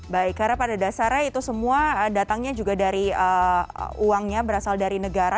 baik karena pada dasarnya itu semua datangnya juga dari uangnya berasal dari negara